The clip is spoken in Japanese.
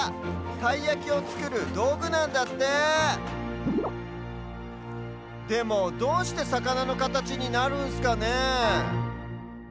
たいやきをつくるどうぐなんだってでもどうしてさかなのかたちになるんすかねえ。